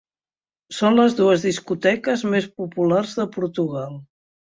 Són les dues discoteques més populars de Portugal.